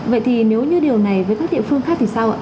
vậy thì nếu như điều này với các địa phương khác thì sao ạ